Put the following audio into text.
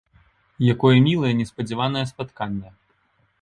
Якое мілае, неспадзяванае спатканне!